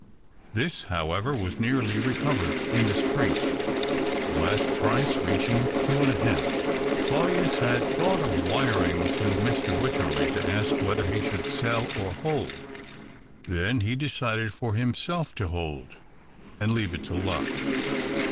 This, however, was nearly recovered in the street, the last price reaching two and a half." Claudius had thought of wiring to Mr. Wycherley, to ask whether he should sell or hold. Then he decided for himself to hold and leave it to luck.